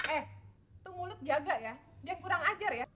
eh itu mulut jaga ya dia kurang ajar ya